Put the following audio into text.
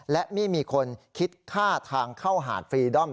และไม่มีคนคิดค่าทางเข้าหาดฟรีดอม